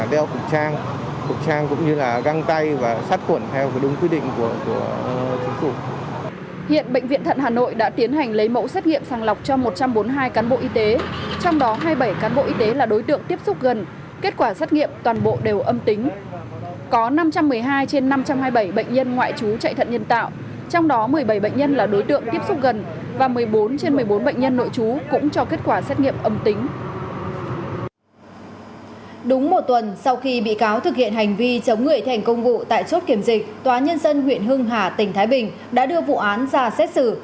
đúng một tuần sau khi bị cáo thực hiện hành vi chống người thành công vụ tại chốt kiểm dịch tòa nhân dân huyện hưng hà tỉnh thái bình đã đưa vụ án ra xét xử